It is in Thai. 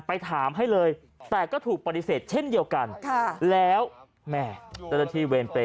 ไปถามให้เลยแต่ก็ถูกปฏิเสธเช่นเดียวกันแล้วแม่เจ้าหน้าที่เวรเปร